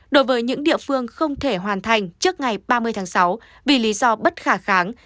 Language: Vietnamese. đối với những địa phương không thể hoàn thành trước ngày ba mươi tháng sáu vì lý do bất khả kháng